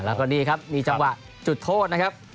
แล้วก็นี่ครับมีจังหวะจุดโทษนะครับ